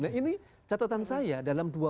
nah ini catatan saya